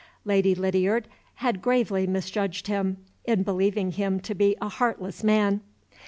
Lady Lydiard had gravely misjudged him in believing him to be a heartless man.